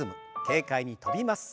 軽快に跳びます。